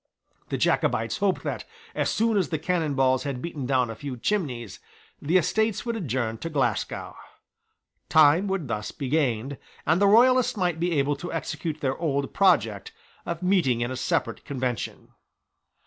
The Jacobites hoped that, as soon as the cannon balls had beaten down a few chimneys, the Estates would adjourn to Glasgow. Time would thus be gained; and the royalists might be able to execute their old project of meeting in a separate convention.